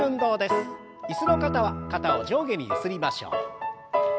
椅子の方は肩を上下にゆすりましょう。